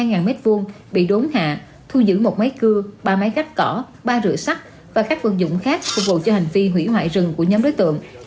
cây rừng bị đốn hạ thu giữ một máy cưa ba máy gắt cỏ ba rửa sắt và các vận dụng khác phục vụ cho hành vi hủy hoại rừng của nhóm đối tượng